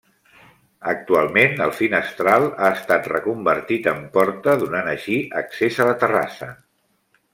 Actualment, el finestral ha estat reconvertit en porta, donant així accés a la terrassa.